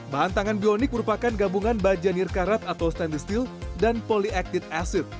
bahan tangan bionik merupakan gabungan banjir karat atau stainless steel dan polyacid acid